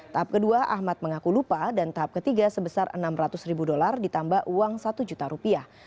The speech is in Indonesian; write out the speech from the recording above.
tahap kedua ahmad mengaku lupa dan tahap ketiga sebesar enam ratus ribu dolar ditambah uang satu juta rupiah